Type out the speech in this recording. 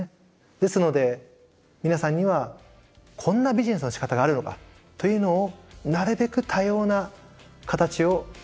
ですので皆さんにはこんなビジネスのしかたがあるのかというのをなるべく多様な形を見てみて下さい。